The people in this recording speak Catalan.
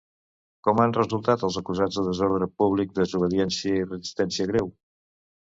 Com han resultat els acusats de desordre públic, desobediència i resistència greu?